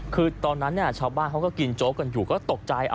คือตอนนั้นชาวบ้านเขาก็กินโจ๊กกันอยู่ก็ตกใจ